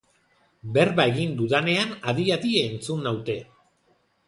Berba egin dudanean adi-adi entzun naute.